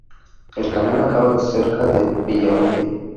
El canal acaba cerca de Villarrubia.